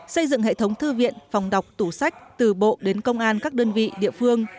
xây dựng hệ thống thư viện phòng đọc tủ sách từ bộ đến công an các đơn vị địa phương